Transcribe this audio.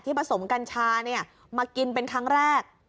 ที่ผสมกันชาเนี่ยมากินเป็นครั้งแรก